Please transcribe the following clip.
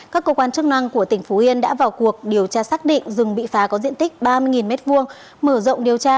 các cơ quan chức năng của tỉnh phú yên đã vào cuộc điều tra xác định rừng bị phá có diện tích ba mươi m hai mở rộng điều tra